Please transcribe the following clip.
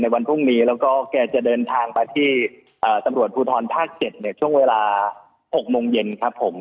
แล้วก็แกจะเดินทางไปที่สำรวจภูทรภาค๗เนี่ยช่วงเวลา๖โมงเย็นครับผม